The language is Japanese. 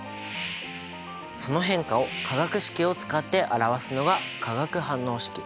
その変化を化学式を使って表すのが化学反応式。